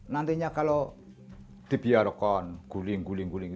nantinya kalau dibiarakan guling guling